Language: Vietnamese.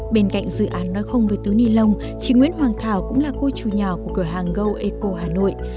bên cạnh dự án nói không với túi nilon chị nguyễn hoàng thảo cũng là cô chủ nhà của cửa hàng go eco hà nội